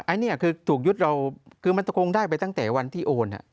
อันนี้คือถูกยึดเราคือมันคงได้ไปตั้งแต่วันที่โอน